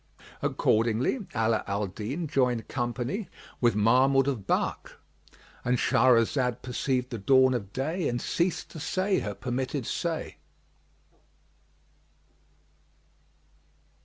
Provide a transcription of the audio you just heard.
Accordingly, Ala al Din joined company with Mahmud of Balkh.—And Shahrazad perceived the dawn of day and ceased to say her permitted say.